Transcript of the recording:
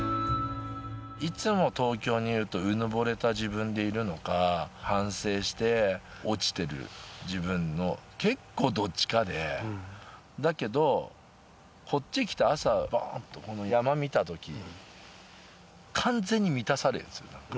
いつも東京にいると、うぬぼれた自分でいるのか、反省して落ちてる自分の、結構どっちかで、だけど、こっち来て、朝、ばーっとこの山見たとき、完全に満たされるんですよ。